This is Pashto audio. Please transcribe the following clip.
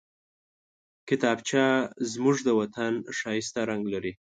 کتابچه زموږ د وطن ښايسته رنګ لري